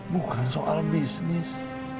bukan soal bisnis